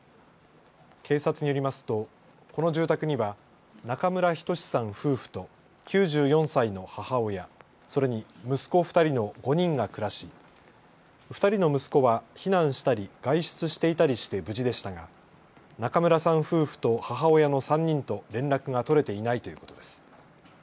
警察によりますとこの住宅には中村均さん夫婦と９４歳の母親、それに息子２人の５人が暮らし２人の息子は避難したり外出していたりして無事でしたが中村さん夫婦と母親の３人と連絡が取れていないということです。